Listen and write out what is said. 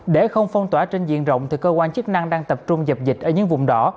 để không phong tỏa trên diện rộng thì cơ quan chức năng đang tập trung dập dịch ở những vùng đỏ